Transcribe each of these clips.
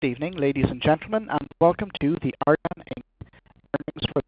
Good evening, ladies and gentlemen, and welcome to the Argan, Inc. Earnings for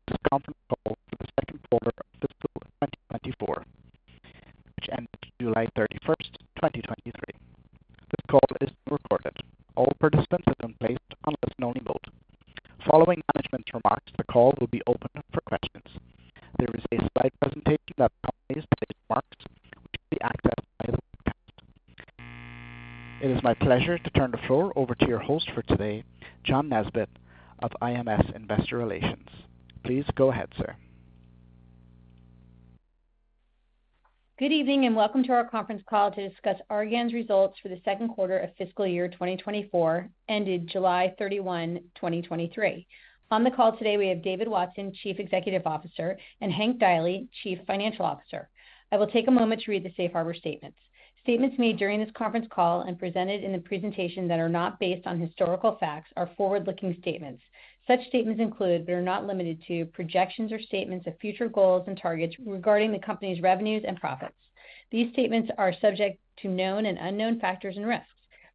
Statements made during this conference call and presented in the presentation that are not based on historical facts are forward-looking statements. Such statements include, but are not limited to, projections or statements of future goals and targets regarding the company's revenues and profits. These statements are subject to known and unknown factors and risks.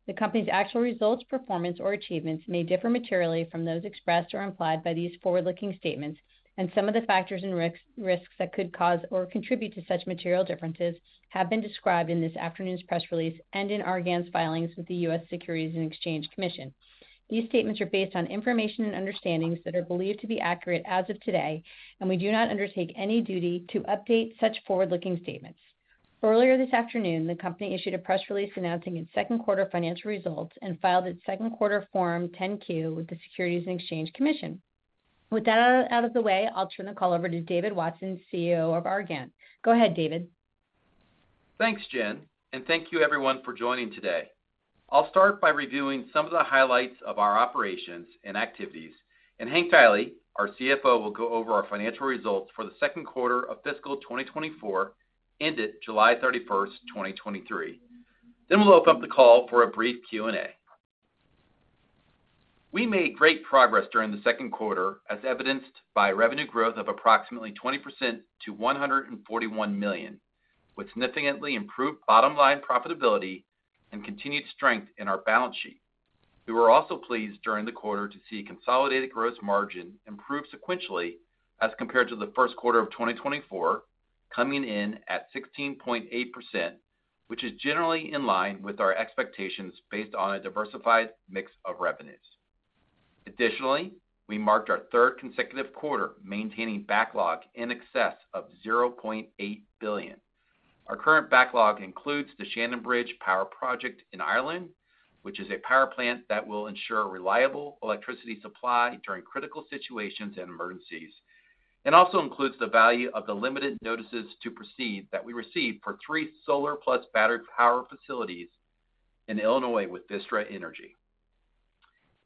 The company's actual results, performance, or achievements may differ materially from those expressed or implied by these forward-looking statements, and some of the factors and risks that could cause or contribute to such material differences have been described in this afternoon's press release and in Argan's filings with the U.S. Securities and Exchange Commission. These statements are based on information and understandings that are believed to be accurate as of today, and we do not undertake any duty to update such forward-looking statements. Earlier this afternoon, the company issued a press release announcing its second quarter financial results and filed its second quarter Form 10-Q with the Securities and Exchange Commission. With that out of the way, I'll turn the call over to David Watson, CEO of Argan. Go ahead, David. Thanks, Jen, and thank you everyone for joining today. I'll start by reviewing some of the highlights of our operations and activities, and Hank Deily, our CFO, will go over our financial results for the second quarter of fiscal 2024, ended July 31, 2023. Then we'll open up the call for a brief Q&A. We made great progress during the second quarter, as evidenced by revenue growth of approximately 20% to $141 million, with significantly improved bottom-line profitability and continued strength in our balance sheet. We were also pleased during the quarter to see consolidated gross margin improve sequentially as compared to the first quarter of 2024, coming in at 16.8%, which is generally in line with our expectations based on a diversified mix of revenues. Additionally, we marked our third consecutive quarter, maintaining backlog in excess of $0.8 billion. Our current backlog includes the Shannonbridge Power Project in Ireland, which is a power plant that will ensure reliable electricity supply during critical situations and emergencies. It also includes the value of the limited notices to proceed that we received for three solar plus battery power facilities in Illinois with Vistra Energy.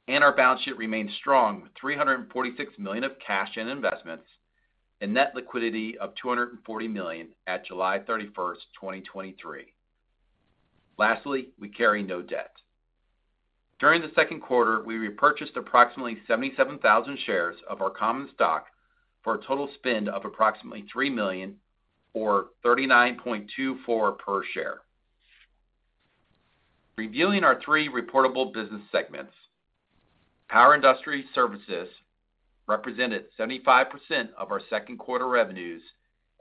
And our balance sheet remains strong, with $346 million of cash and investments and net liquidity of $240 million at July 31, 2023. Lastly, we carry no debt. During the second quarter, we repurchased approximately 77,000 shares of our common stock for a total spend of approximately $3 million or $39.24 per share. Reviewing our three reportable business segments. Power Industry Services represented 75% of our second quarter revenues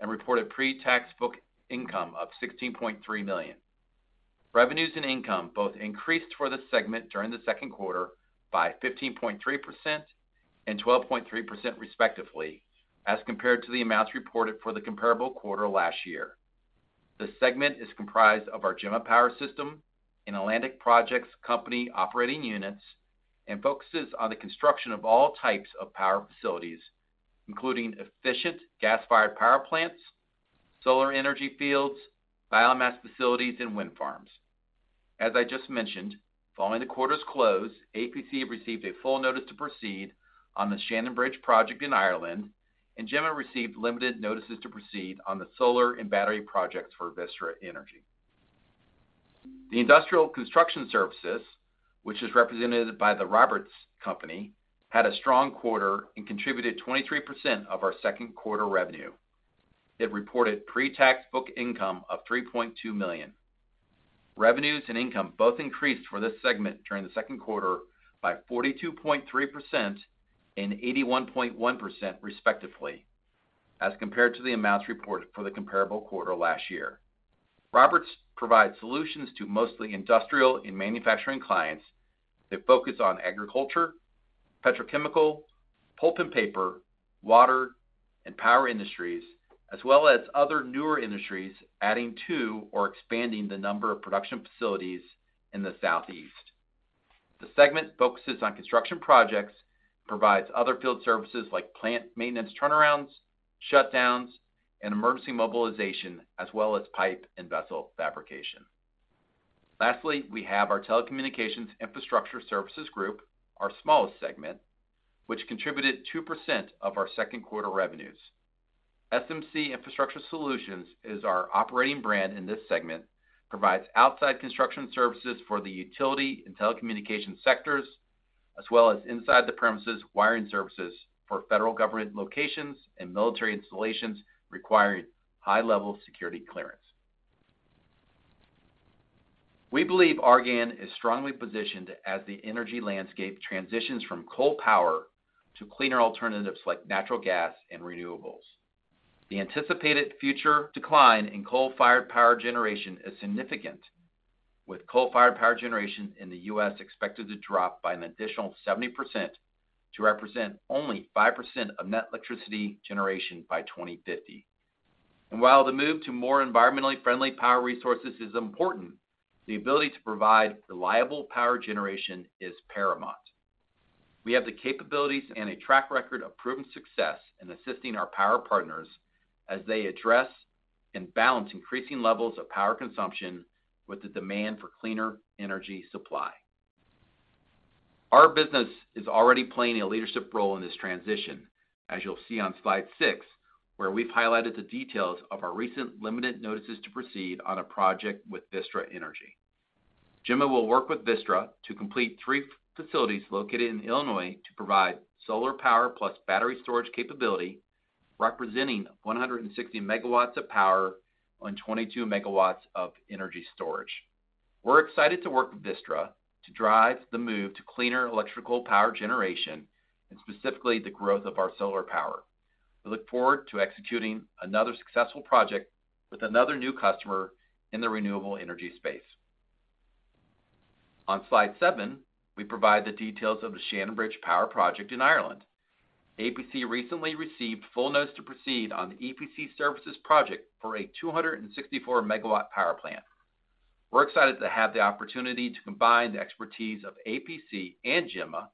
and reported pre-tax book income of $16.3 million. Revenues and income both increased for the segment during the second quarter by 15.3% and 12.3%, respectively, as compared to the amounts reported for the comparable quarter last year. The segment is comprised of our Gemma Power Systems and Atlantic Projects Company operating units and focuses on the construction of all types of power facilities, including efficient gas-fired power plants, solar energy fields, biomass facilities, and wind farms. As I just mentioned, following the quarter's close, APC received a full notice to proceed on the Shannonbridge project in Ireland, and Gemma received limited notices to proceed on the solar and battery projects for Vistra Energy. The Industrial Construction Services, which is represented by The Roberts Company, had a strong quarter and contributed 23% of our second quarter revenue. It reported pre-tax book income of $3.2 million. Revenues and income both increased for this segment during the second quarter by 42.3% and 81.1%, respectively, as compared to the amounts reported for the comparable quarter last year. The Roberts Company provides solutions to mostly industrial and manufacturing clients. They focus on agriculture, petrochemical, pulp and paper, water and power industries, as well as other newer industries, adding to or expanding the number of production facilities in the Southeast. The segment focuses on construction projects, provides other field services like plant maintenance, turnarounds, shutdowns, and emergency mobilization, as well as pipe and vessel fabrication. Lastly, we have our Telecommunications Infrastructure Services group, our smallest segment, which contributed 2% of our second quarter revenues. SMC Infrastructure Solutions, our operating brand in this segment, provides outside construction services for the utility and telecommunications sectors, as well as inside premises wiring services for federal government locations and military installations requiring high-level security clearance. We believe Argan is strongly positioned as the energy landscape transitions from coal power to cleaner alternatives like natural gas and renewables. The anticipated future decline in coal-fired power generation is significant, with coal-fired power generation in the U.S. expected to drop by an additional 70% to represent only 5% of net electricity generation by 2050. While the move to more environmentally friendly power resources is important, the ability to provide reliable power generation is paramount. We have the capabilities and a track record of proven success in assisting our power partners as they address and balance increasing levels of power consumption with the demand for cleaner energy supply. Our business is already playing a leadership role in this transition, as you'll see on slide six, where we've highlighted the details of our recent limited notices to proceed on a project with Vistra Energy. Gemma will work with Vistra to complete three facilities located in Illinois to provide solar power plus battery storage capability, representing 160 MW of power on 22 MW of energy storage. We're excited to work with Vistra to drive the move to cleaner electrical power generation, and specifically, the growth of our solar power. We look forward to executing another successful project with another new customer in the renewable energy space. On slide seven, we provide the details of the Shannonbridge Power Project in Ireland. APC recently received full notice to proceed on the EPC services project for a 264 MW power plant. We're excited to have the opportunity to combine the expertise of APC and Gemma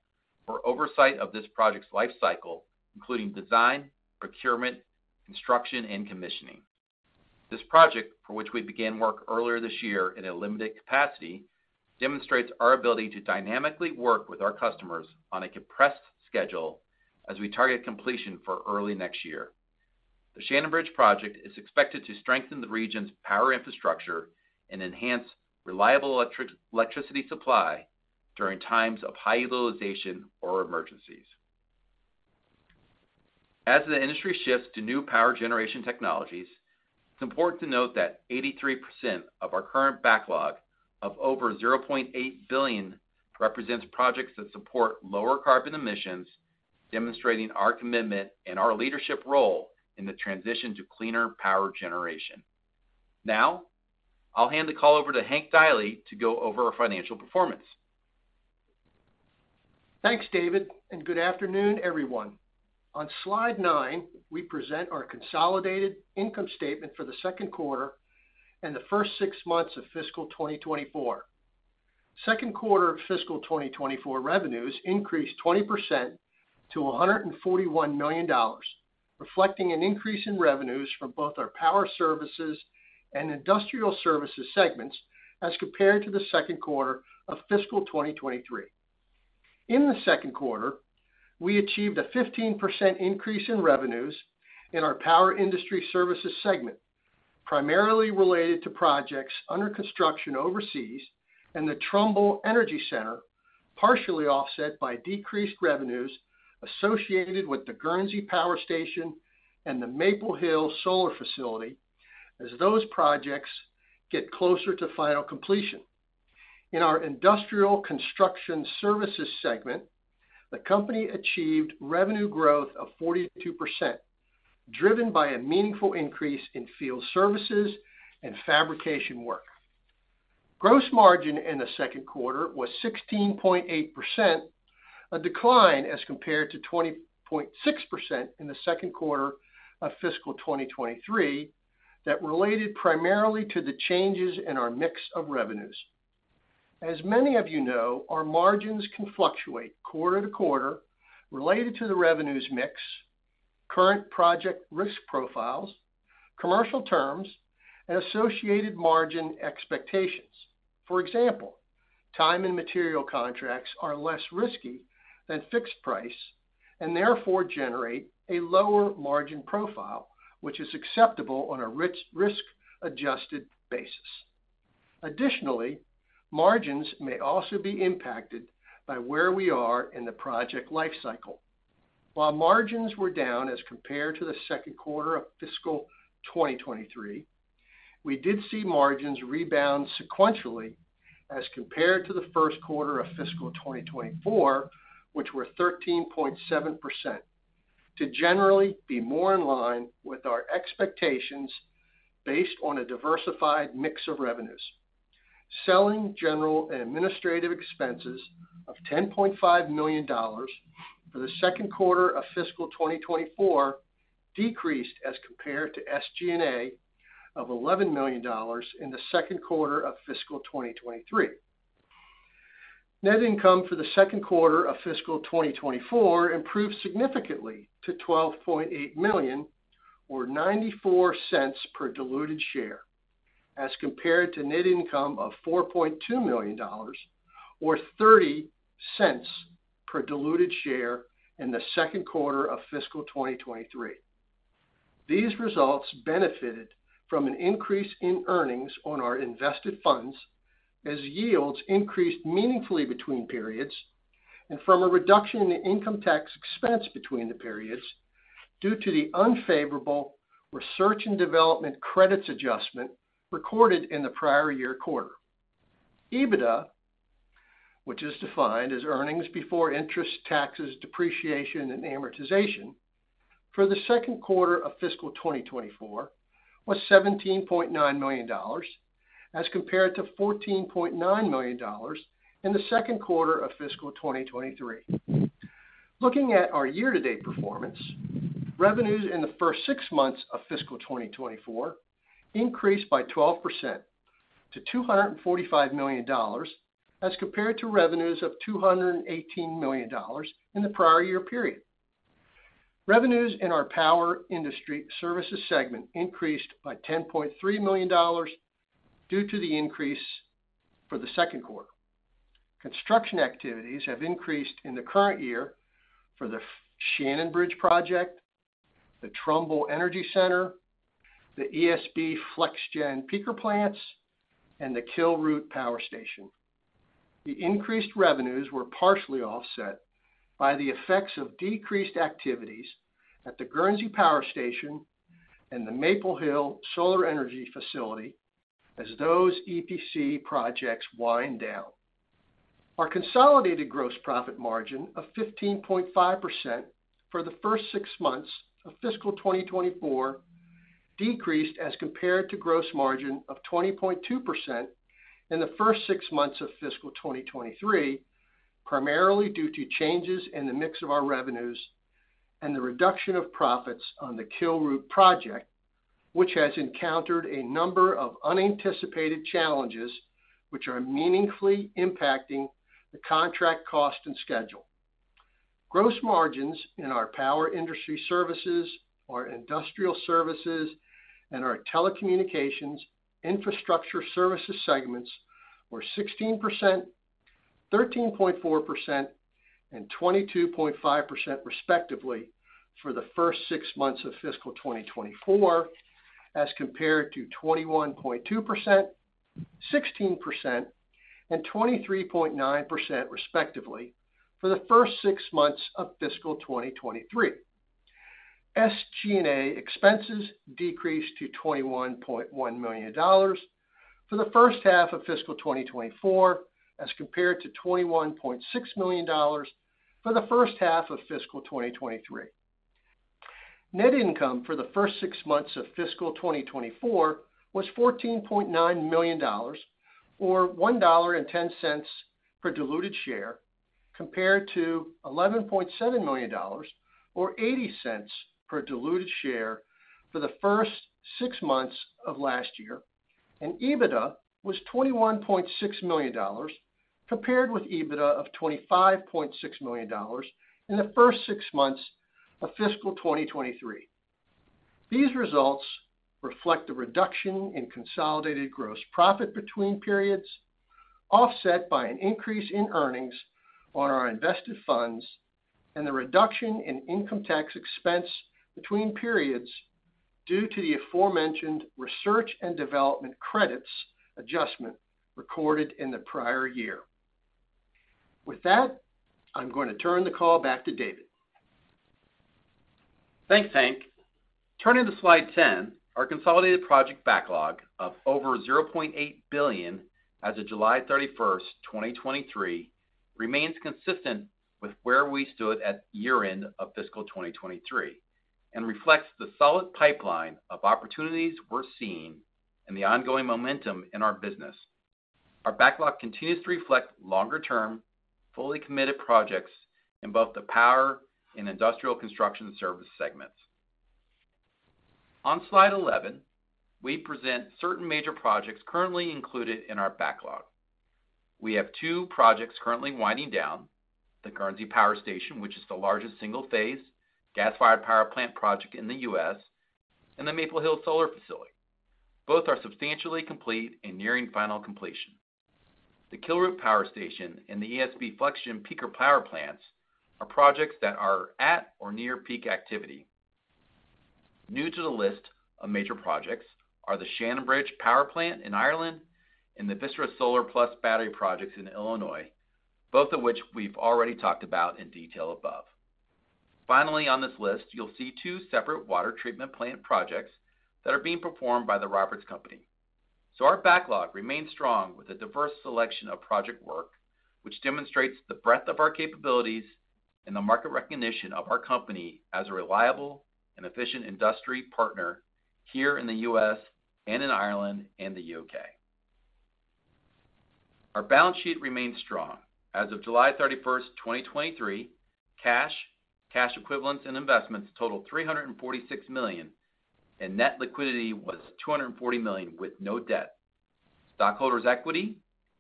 for oversight of this project's lifecycle, including design, procurement, construction, and commissioning. This project, for which we began work earlier this year in a limited capacity, demonstrates our ability to dynamically work with our customers on a compressed schedule as we target completion for early next year. The Shannonbridge project is expected to strengthen the region's power infrastructure and enhance reliable electricity supply during times of high utilization or emergencies. As the industry shifts to new power generation technologies, it's important to note that 83% of our current backlog of over $0.8 billion represents projects that support lower carbon emissions, demonstrating our commitment and our leadership role in the transition to cleaner power generation. Now, I'll hand the call over to Hank Deily to go over our financial performance. Thanks, David, and good afternoon, everyone. On slide nine, we present our consolidated income statement for the second quarter and the first six months of fiscal 2024. Second quarter of fiscal 2024 revenues increased 20% to $141 million, reflecting an increase in revenues from both our Power Industry Services and Industrial Construction Services segments as compared to the second quarter of fiscal 2023. In the second quarter, we achieved a 15% increase in revenues in our Power Industry Services segment, primarily related to projects under construction overseas and the Trumbull Energy Center, partially offset by decreased revenues associated with the Guernsey Power Station and the Maple Hill Solar facility, as those projects get closer to final completion. In our Industrial Construction Services segment, the company achieved revenue growth of 42%, driven by a meaningful increase in field services and fabrication work. Gross margin in the second quarter was 16.8%, a decline as compared to 20.6% in the second quarter of fiscal 2023, that related primarily to the changes in our mix of revenues. As many of you know, our margins can fluctuate quarter to quarter related to the revenues mix, current project risk profiles, commercial terms, and associated margin expectations. For example, time and material contracts are less risky than fixed price, and therefore generate a lower margin profile, which is acceptable on a risk-adjusted basis. Additionally, margins may also be impacted by where we are in the project lifecycle. While margins were down as compared to the second quarter of fiscal 2023, we did see margins rebound sequentially as compared to the first quarter of fiscal 2024, which were 13.7%, to generally be more in line with our expectations based on a diversified mix of revenues. Selling general and administrative expenses of $10.5 million for the second quarter of fiscal 2024 decreased as compared to SG&A of $11 million in the second quarter of fiscal 2023. Net income for the second quarter of fiscal 2024 improved significantly to $12.8 million, or $0.94 per diluted share, as compared to net income of $4.2 million, or $0.30 per diluted share in the second quarter of fiscal 2023. These results benefited from an increase in earnings on our invested funds as yields increased meaningfully between periods... and from a reduction in the income tax expense between the periods, due to the unfavorable research and development credits adjustment recorded in the prior year quarter. EBITDA, which is defined as earnings before interest, taxes, depreciation, and amortization, for the second quarter of fiscal 2024, was $17.9 million, as compared to $14.9 million in the second quarter of fiscal 2023. Looking at our year-to-date performance, revenues in the first six months of fiscal 2024 increased by 12% to $245 million, as compared to revenues of $218 million in the prior year period. Revenues in our Power Industry Services segment increased by $10.3 million due to the increase for the second quarter. Construction activities have increased in the current year for the Shannonbridge project, the Trumbull Energy Center, the ESB FlexGen peaker plants, and the Kilroot Power Station. The increased revenues were partially offset by the effects of decreased activities at the Guernsey Power Station and the Maple Hill Solar Energy facility, as those EPC projects wind down. Our consolidated gross profit margin of 15.5% for the first six months of fiscal 2024 decreased as compared to gross margin of 20.2% in the first six months of fiscal 2023, primarily due to changes in the mix of our revenues and the reduction of profits on the Kilroot project, which has encountered a number of unanticipated challenges which are meaningfully impacting the contract cost and schedule. Gross margins in our Power Industry Services, our Industrial Services, and our Telecommunications Infrastructure Services segments were 16%, 13.4%, and 22.5%, respectively, for the first six months of fiscal 2024, as compared to 21.2%, 16%, and 23.9%, respectively, for the first six months of fiscal 2023. SG&A expenses decreased to $21.1 million for the first half of fiscal 2024, as compared to $21.6 million for the first half of fiscal 2023. Net income for the first six months of fiscal 2024 was $14.9 million, or $1.10 per diluted share, compared to $11.7 million, or $0.80 per diluted share for the first six months of last year, and EBITDA was $21.6 million, compared with EBITDA of $25.6 million in the first six months of fiscal 2023. These results reflect the reduction in consolidated gross profit between periods, offset by an increase in earnings on our invested funds and the reduction in income tax expense between periods due to the aforementioned research and development credits adjustment recorded in the prior year. With that, I'm going to turn the call back to David. Thanks, Hank. Turning to slide 10, our consolidated project backlog of over $0.8 billion as of July 31, 2023, remains consistent with where we stood at year-end of fiscal 2023 and reflects the solid pipeline of opportunities we're seeing and the ongoing momentum in our business. Our backlog continues to reflect longer-term, fully committed projects in both the Power and Industrial Construction Service segments. On slide 11, we present certain major projects currently included in our backlog. We have two projects currently winding down: the Guernsey Power Station, which is the largest single-phase gas-fired power plant project in the U.S., and the Maple Hill Solar. Both are substantially complete and nearing final completion. The Kilroot Power Station and the ESB FlexGen peaker power plants are projects that are at or near peak activity. New to the list of major projects are the Shannonbridge Power Plant in Ireland and the Vistra solar plus battery projects in Illinois, both of which we've already talked about in detail above. Finally, on this list, you'll see two separate water treatment plant projects that are being performed by The Roberts Company. Our backlog remains strong with a diverse selection of project work, which demonstrates the breadth of our capabilities and the market recognition of our company as a reliable and efficient industry partner here in the U.S. and in Ireland and the U.K. Our balance sheet remains strong. As of July 31, 2023, cash, cash equivalents and investments totaled $346 million, and net liquidity was $240 million with no debt. Stockholders' equity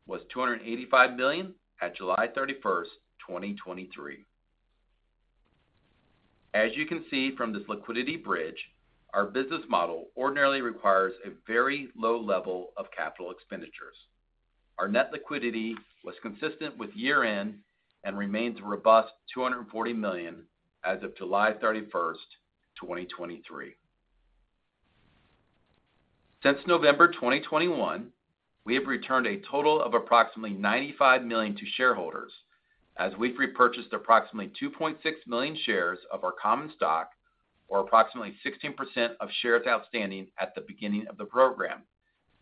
was $285 million at July 31, 2023. As you can see from this liquidity bridge, our business model ordinarily requires a very low level of capital expenditures. Our net liquidity was consistent with year-end and remains a robust $240 million as of July 31, 2023. Since November 2021, we have returned a total of approximately $95 million to shareholders, as we've repurchased approximately 2.6 million shares of our common stock, or approximately 16% of shares outstanding at the beginning of the program,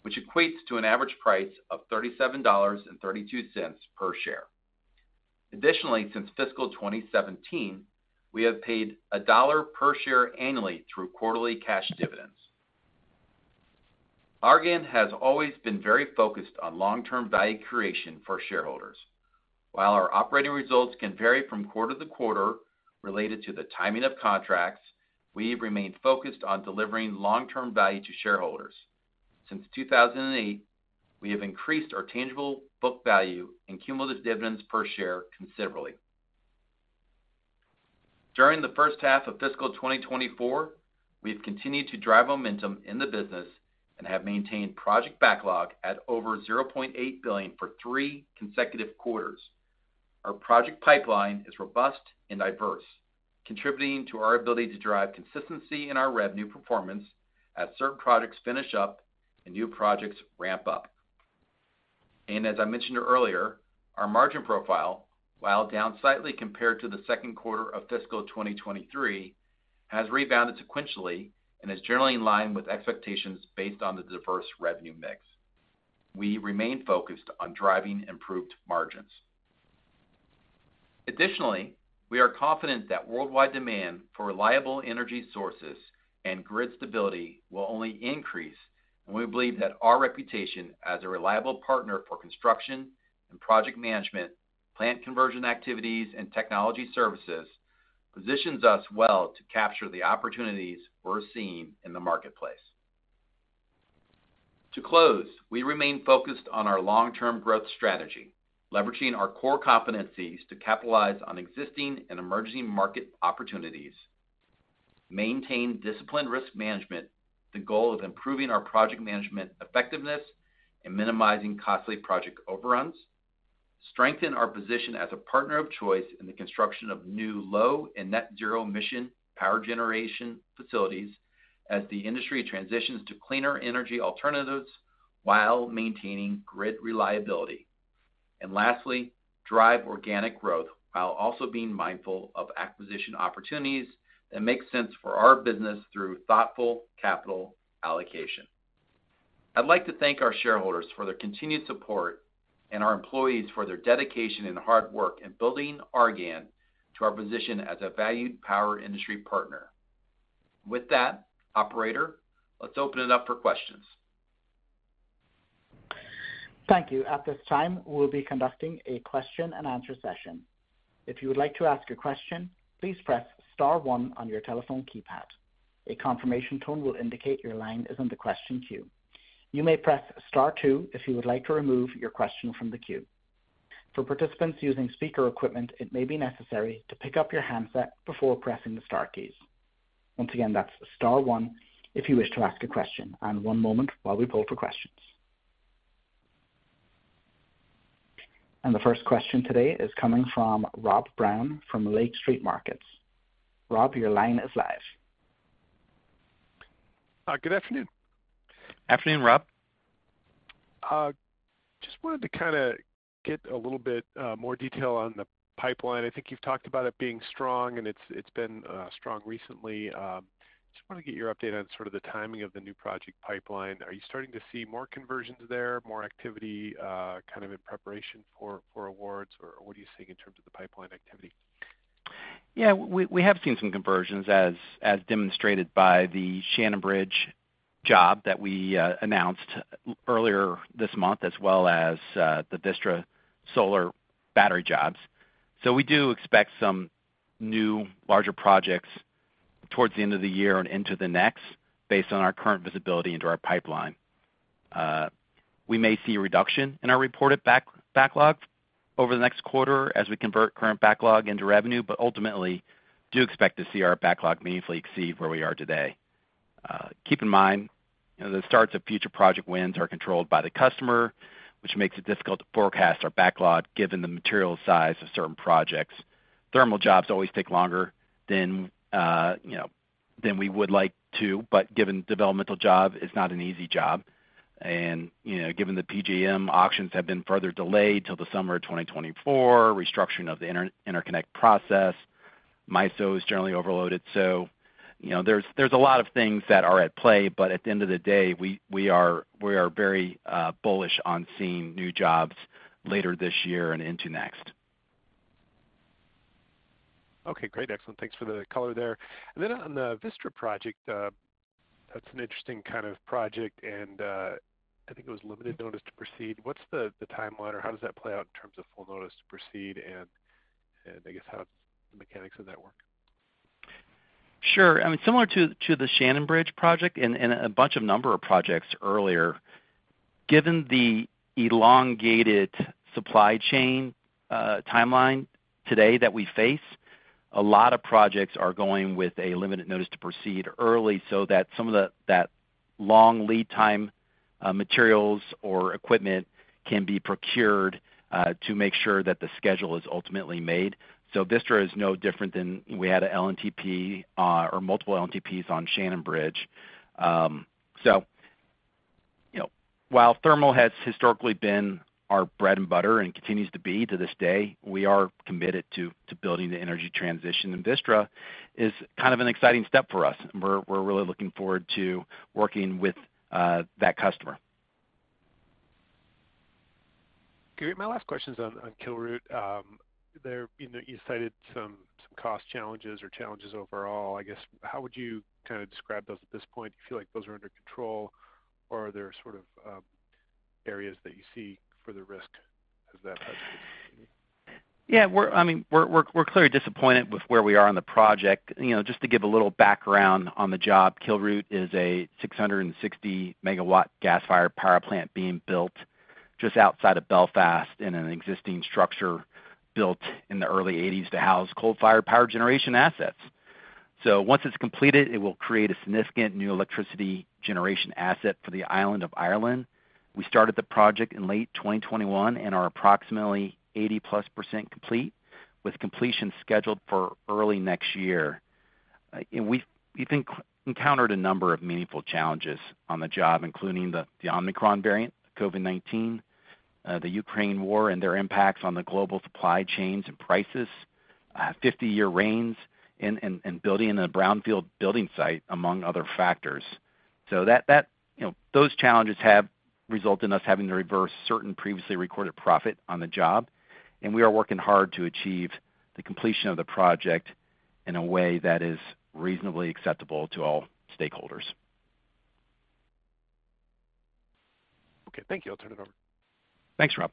which equates to an average price of $37.32 per share. Additionally, since fiscal 2017, we have paid $1 per share annually through quarterly cash dividends. Argan has always been very focused on long-term value creation for shareholders. While our operating results can vary from quarter to quarter related to the timing of contracts, we remain focused on delivering long-term value to shareholders. Since 2008, we have increased our Tangible Book Value and cumulative dividends per share considerably. During the first half of fiscal 2024, we've continued to drive momentum in the business and have maintained project backlog at over $0.8 billion for three consecutive quarters. Our project pipeline is robust and diverse, contributing to our ability to drive consistency in our revenue performance as certain projects finish up and new projects ramp up. And as I mentioned earlier, our margin profile, while down slightly compared to the second quarter of fiscal 2023, has rebounded sequentially and is generally in line with expectations based on the diverse revenue mix. We remain focused on driving improved margins. Additionally, we are confident that worldwide demand for reliable energy sources and grid stability will only increase, and we believe that our reputation as a reliable partner for construction and project management, plant conversion activities, and technology services positions us well to capture the opportunities we're seeing in the marketplace. To close, we remain focused on our long-term growth strategy, leveraging our core competencies to capitalize on existing and emerging market opportunities, maintain disciplined risk management, the goal of improving our project management effectiveness and minimizing costly project overruns, strengthen our position as a partner of choice in the construction of new low and net zero emission power generation facilities as the industry transitions to cleaner energy alternatives while maintaining grid reliability. And lastly, drive organic growth while also being mindful of acquisition opportunities that make sense for our business through thoughtful capital allocation. I'd like to thank our shareholders for their continued support and our employees for their dedication and hard work in building Argan to our position as a valued power industry partner. With that, operator, let's open it up for questions. Thank you. At this time, we'll be conducting a question-and-answer session. If you would like to ask a question, please press star one on your telephone keypad. A confirmation tone will indicate your line is in the question queue. You may press star two if you would like to remove your question from the queue. For participants using speaker equipment, it may be necessary to pick up your handset before pressing the star keys. Once again, that's star one if you wish to ask a question, and one moment while we pull for questions. The first question today is coming from Rob Brown from Lake Street Capital Markets. Rob, your line is live. Good afternoon. Afternoon, Rob. Just wanted to kinda get a little bit more detail on the pipeline. I think you've talked about it being strong, and it's, it's been strong recently. Just wanna get your update on sort of the timing of the new project pipeline. Are you starting to see more conversions there, more activity kind of in preparation for awards, or what are you seeing in terms of the pipeline activity? Yeah, we have seen some conversions, as demonstrated by the Shannonbridge job that we announced earlier this month, as well as the Vistra solar battery jobs. So we do expect some new larger projects towards the end of the year and into the next, based on our current visibility into our pipeline. We may see a reduction in our reported backlog over the next quarter as we convert current backlog into revenue, but ultimately, do expect to see our backlog meaningfully exceed where we are today. Keep in mind, you know, the starts of future project wins are controlled by the customer, which makes it difficult to forecast our backlog given the material size of certain projects. Thermal jobs always take longer than, you know, than we would like to, but given developmental job is not an easy job, and, you know, given the PJM auctions have been further delayed till the summer of 2024, restructuring of the interconnect process, MISO is generally overloaded. So, you know, there's a lot of things that are at play, but at the end of the day, we, we are, we are very bullish on seeing new jobs later this year and into next. Okay, great. Excellent. Thanks for the color there. And then on the Vistra project, that's an interesting kind of project, and, I think it was Limited Notice to Proceed. What's the timeline, or how does that play out in terms of full notice to proceed, and I guess, how the mechanics of that work? Sure. I mean, similar to the Shannonbridge project and a bunch of a number of projects earlier, given the elongated supply chain timeline today that we face, a lot of projects are going with a limited notice to proceed early so that some of the long lead time materials or equipment can be procured to make sure that the schedule is ultimately made. So Vistra is no different than we had a LNTP or multiple NTPs on Shannonbridge. So, you know, while thermal has historically been our bread and butter and continues to be to this day, we are committed to building the energy transition, and Vistra is kind of an exciting step for us. We're really looking forward to working with that customer. Great. My last question is on Kilroot. There, you know, you cited some cost challenges or challenges overall. I guess, how would you kind of describe those at this point? Do you feel like those are under control, or are there sort of areas that you see for the risk as that? Yeah, we're—I mean, we're clearly disappointed with where we are on the project. You know, just to give a little background on the job, Kilroot is a 660-megawatt gas-fired power plant being built just outside of Belfast in an existing structure built in the early 1980s to house coal-fired power generation assets. So once it's completed, it will create a significant new electricity generation asset for the island of Ireland. We started the project in late 2021 and are approximately 80%+ complete, with completion scheduled for early next year. And we've encountered a number of meaningful challenges on the job, including the Omicron variant, COVID-19, the Ukraine war, and their impacts on the global supply chains and prices, 50-year rains and building in a brownfield building site, among other factors. So, you know, those challenges have resulted in us having to reverse certain previously recorded profit on the job, and we are working hard to achieve the completion of the project in a way that is reasonably acceptable to all stakeholders. Okay, thank you. I'll turn it over. Thanks, Rob.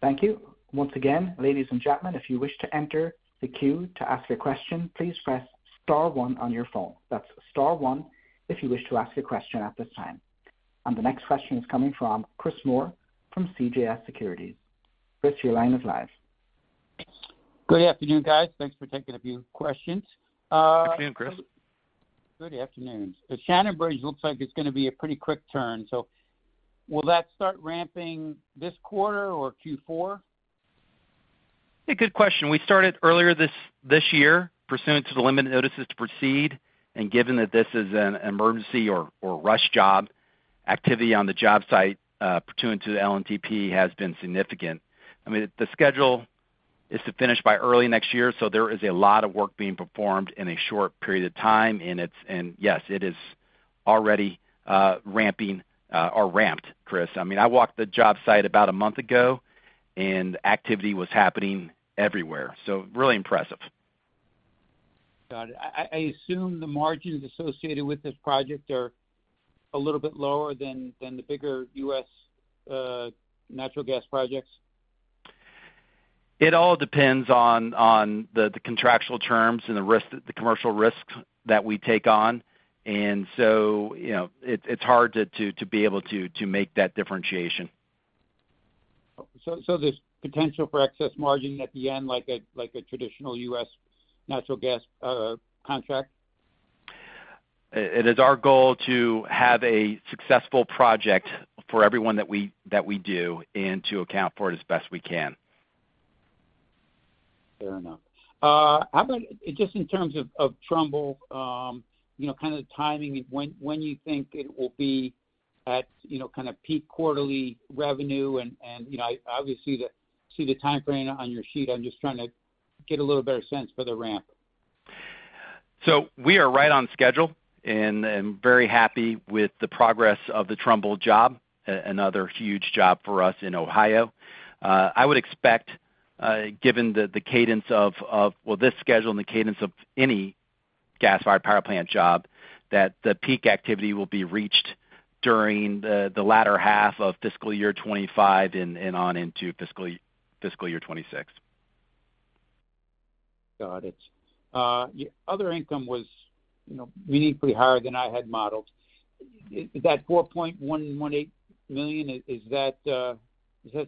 Thank you. Once again, ladies and gentlemen, if you wish to enter the queue to ask a question, please press star one on your phone. That's star one if you wish to ask a question at this time. And the next question is coming from Chris Moore from CJS Securities. Chris, your line is live. Good afternoon, guys. Thanks for taking a few questions. Thanks again, Chris. Good afternoon. The Shannonbridge looks like it's gonna be a pretty quick turn, so will that start ramping this quarter or Q4? A good question. We started earlier this year, pursuant to the limited notices to proceed, and given that this is an emergency or rush job, activity on the job site, pursuant to the LNTP, has been significant. I mean, the schedule is to finish by early next year, so there is a lot of work being performed in a short period of time, and it's, and yes, it is already ramping or ramped, Chris. I mean, I walked the job site about a month ago, and activity was happening everywhere, so really impressive. Got it. I assume the margins associated with this project are a little bit lower than the bigger U.S. natural gas projects? It all depends on the contractual terms and the risk, the commercial risks that we take on. And so, you know, it's hard to be able to make that differentiation. So, there's potential for excess margin at the end, like a traditional U.S. natural gas contract? It is our goal to have a successful project for everyone that we do, and to account for it as best we can. Fair enough. How about just in terms of Trumbull, you know, kind of the timing, when you think it will be at, you know, kind of peak quarterly revenue, you know, I obviously see the time frame on your sheet. I'm just trying to get a little better sense for the ramp. So we are right on schedule and very happy with the progress of the Trumbull job, another huge job for us in Ohio. I would expect, given the cadence of... Well, this schedule and the cadence of any gas-fired power plant job, that the peak activity will be reached during the latter half of fiscal year 2025 and on into fiscal year 2026. Got it. Your other income was, you know, meaningfully higher than I had modeled. Is that $4.118 million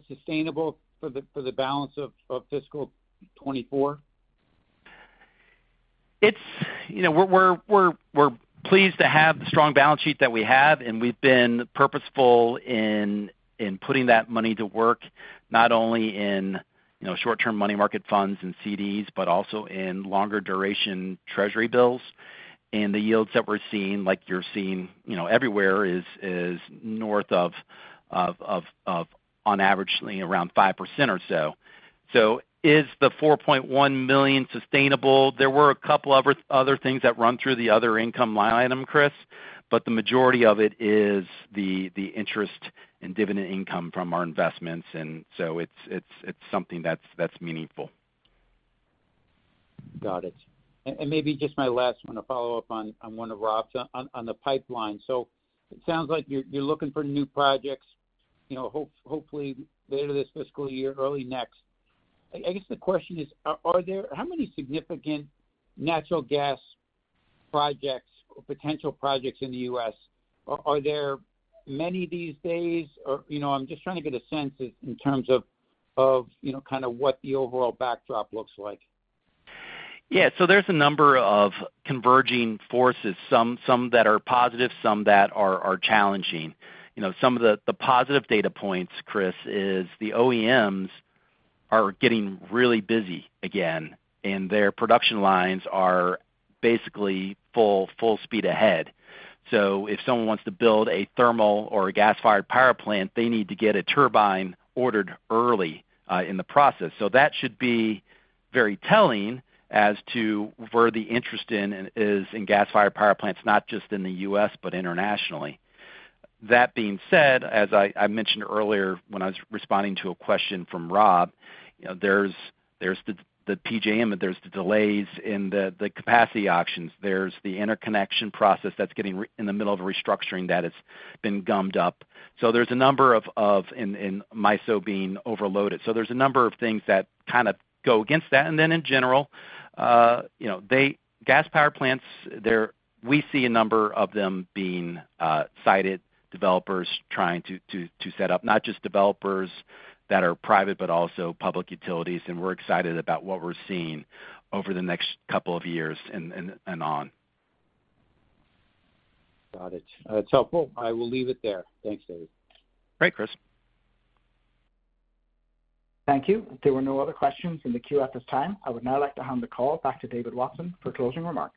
sustainable for the balance of fiscal 2024? It's, you know, we're pleased to have the strong balance sheet that we have, and we've been purposeful in putting that money to work, not only in, you know, short-term money market funds and CDs, but also in longer duration treasury bills. And the yields that we're seeing, like you're seeing, you know, everywhere, is on average around 5% or so. So is the $4.1 million sustainable? There were a couple other things that run through the other income line item, Chris, but the majority of it is the interest and dividend income from our investments, and so it's something that's meaningful. Got it. And maybe just my last one, to follow up on one of Rob's, on the pipeline. So it sounds like you're looking for new projects, you know, hopefully later this fiscal year, early next. I guess the question is, are there—how many significant natural gas projects or potential projects in the U.S., are there many these days? Or, you know, I'm just trying to get a sense in terms of, you know, kind of what the overall backdrop looks like.... Yeah, so there's a number of converging forces, some, some that are positive, some that are, are challenging. You know, some of the, the positive data points, Chris, is the OEMs are getting really busy again, and their production lines are basically full, full speed ahead. So if someone wants to build a thermal or a gas-fired power plant, they need to get a turbine ordered early in the process. So that should be very telling as to where the interest in is in gas-fired power plants, not just in the U.S., but internationally. That being said, as I, I mentioned earlier when I was responding to a question from Rob, you know, there's, there's the, the PJM, and there's the delays in the, the capacity auctions. There's the interconnection process that's getting re-- in the middle of a restructuring that has been gummed up. So there's a number of and MISO being overloaded. So there's a number of things that kind of go against that. And then in general, you know, the gas power plants, we see a number of them being sited, developers trying to set up, not just developers that are private, but also public utilities, and we're excited about what we're seeing over the next couple of years and on. Got it. It's helpful. I will leave it there. Thanks, David. Great, Chris. Thank you. There were no other questions in the queue at this time. I would now like to hand the call back to David Watson for closing remarks.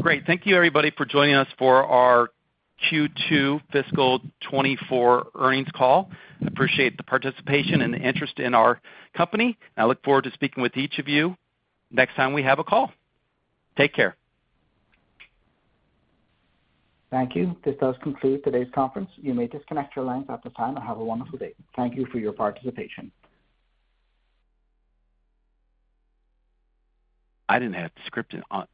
Great. Thank you, everybody, for joining us for our Q2 Fiscal 2024 Earnings Call. I appreciate the participation and the interest in our company, and I look forward to speaking with each of you next time we have a call. Take care. Thank you. This does conclude today's conference. You may disconnect your lines at this time, and have a wonderful day. Thank you for your participation. I didn't have the script in on with me?